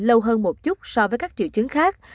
lâu hơn một chút so với các triệu chứng khác